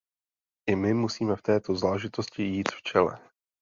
I my musíme v této záležitosti jít v čele.